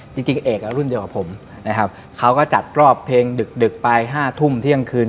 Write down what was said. จริงเอกรุ่นเดียวกับผมนะครับเขาก็จัดรอบเพลงดึกไป๕ทุ่มเที่ยงคืน